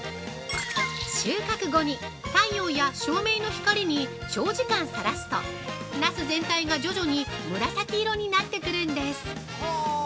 ◆収穫後に太陽や照明の光に長時間さらすとナス全体が徐々に紫色になってくるんです。